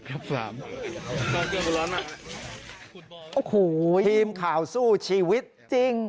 โอ้โหทีมข่าวสู้ชีวิตจริง